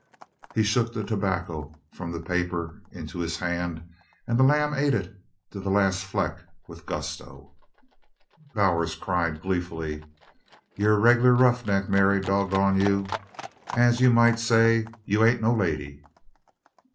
He shook the tobacco from the paper into his hand and the lamb ate it to the last fleck with gusto. Bowers cried gleefully: "You're a reg'lar roughneck, Mary! Doggone you! As you might say you ain't no lady!"